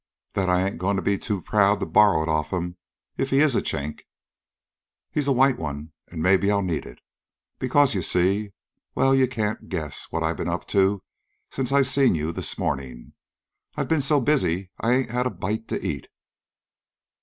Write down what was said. "That I ain't goin' to be too proud to borrow it off 'm, if he IS a Chink. He's a white one, an' maybe I'll need it. Because, you see well, you can't guess what I've been up to since I seen you this mornin'. I've been so busy I ain't had a bite to eat."